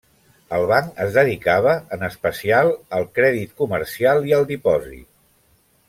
El banc es dedicava, en especial, al crèdit comercial i al depòsit.